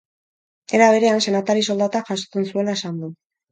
Era berean, senatari soldata jasotzen zuela esan du.